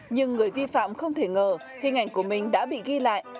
nhưng người vi phạm không thể ngờ hình ảnh của mình đã bị ghi lại